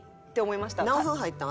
何分入ったん？